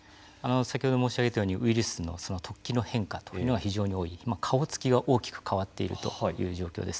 先ほど申し上げたようにウイルスの突起の変化というのが非常に多い顔つきが大きく変わっているという状況です。